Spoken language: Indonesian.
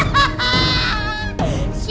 jangan lupa ya